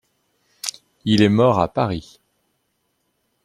Il est mort à Paris.